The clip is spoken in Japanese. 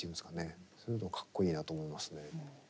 そういうのかっこいいなと思いますね。